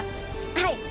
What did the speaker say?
はい。